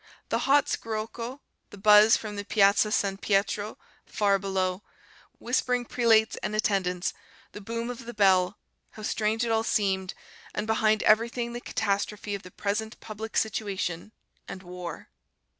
The hot scirocco, the buzz from the Piazza San Pietro far below, whispering prelates and attendants, the boom of the bell how strange it all seemed; and behind everything the catastrophe of the present public situation and war."